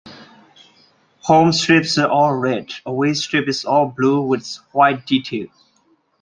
Home strip is all red, away strip is all blue with white detail.